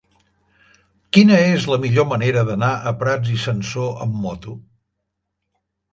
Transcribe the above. Quina és la millor manera d'anar a Prats i Sansor amb moto?